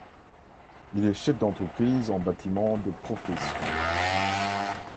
Il est chef d'entreprise en bâtiment de profession.